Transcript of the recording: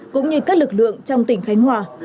cũng như các lực lượng trong tỉnh khánh hòa